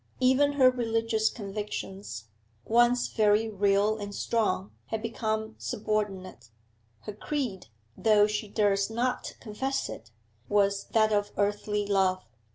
Even her religious convictions, once very real and strong, had become subordinate; her creed though she durst not confess it was that of earthly love.